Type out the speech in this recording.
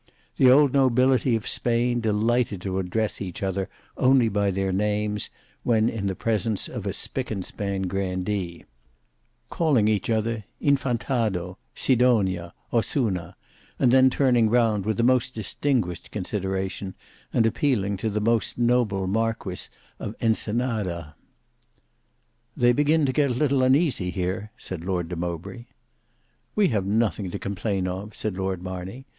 The old nobility of Spain delighted to address each other only by their names, when in the presence of a spick and span grandee; calling each other, "Infantado," "Sidonia," "Ossuna," and then turning round with the most distinguished consideration, and appealing to the Most Noble Marquis of Ensenada. "They begin to get a little uneasy here," said Lord de Mowbray. "We have nothing to complain of," said Lord Marney.